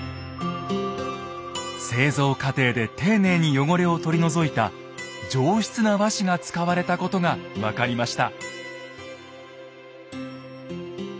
製造過程で丁寧に汚れを取り除いた上質な和紙が使われたことが分かりました。